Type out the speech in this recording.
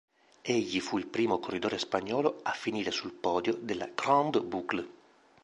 Egli fu il primo corridore spagnolo a finire sul podio della Grande Boucle.